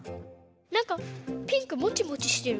なんかピンクモチモチしてる。